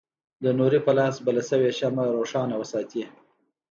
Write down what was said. د نوري په لاس بله شوې شمعه روښانه وساتي.